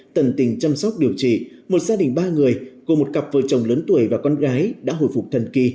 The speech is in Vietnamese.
tận tình chăm sóc điều trị một gia đình ba người gồm một cặp vợ chồng lớn tuổi và con gái đã hồi phục thần kỳ